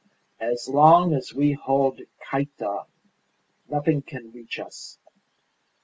As long as we hold Cayta nothing can reach us.